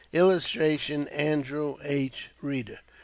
[Illustration: ANDREW H. REEDER.